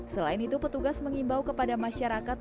selain itu petugas mengimbau kepada masyarakat